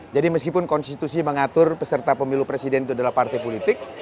jadi meskipun konstitusi mengatur peserta pemilu presiden itu adalah partai politik